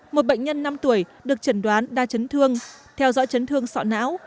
một bệnh nhân năm tuổi được chẩn đoán đa chấn thương theo dõi chấn thương sọ não